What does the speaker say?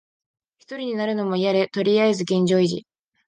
ひとりになるのもいやで、とりあえず現状維持。